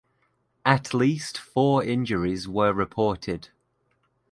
At least four injuries were reported.